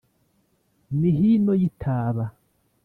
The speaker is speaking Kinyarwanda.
ni hino y'itaba